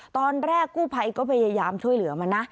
ตอนแรกกู้ภัยก็พยายามช่วยเหลือมันนะ